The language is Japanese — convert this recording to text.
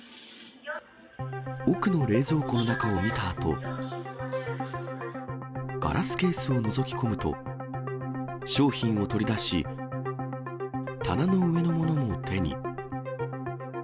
奥の冷蔵庫の中を見たあと、ガラスケースをのぞき込むと、商品を取り出し、棚の上のものも手に。